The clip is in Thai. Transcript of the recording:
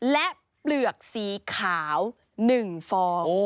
และเปลือกสีขาว๑ฟอง